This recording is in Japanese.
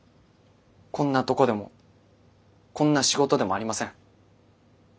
「こんなとこ」でも「こんな仕事」でもありません。